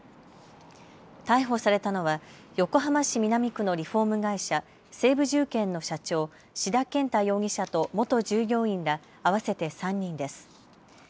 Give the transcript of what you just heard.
逮捕されたのは横浜市南区のリフォーム会社、西武住建の社長、志田健太容疑者と元従業員ら合わせて３人です。